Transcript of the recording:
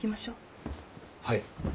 はい。